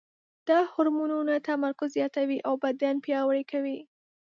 دا هورمونونه تمرکز زیاتوي او بدن پیاوړی کوي.